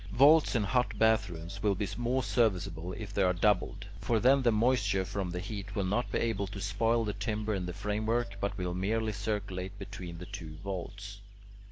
Vaults in hot bath rooms will be more serviceable if they are doubled; for then the moisture from the heat will not be able to spoil the timber in the framework, but will merely circulate between the two vaults.